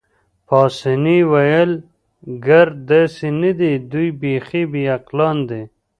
پاسیني وویل: ګرد داسې نه دي، دوی بیخي بې عقلان دي.